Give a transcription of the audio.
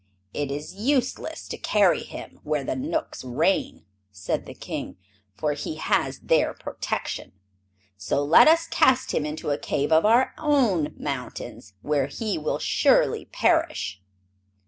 "It is useless to carry him where the Knooks reign," said the King, "for he has their protection. So let us cast him into a cave of our own mountains, where he will surely perish."